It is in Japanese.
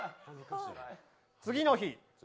次の日。